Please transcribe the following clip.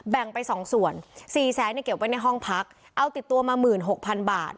แบ่งไปสองส่วน๔๐๐๐เกี่ยวไว้ในห้องพักเอาติดตัวมา๑๖๐๐๐บาท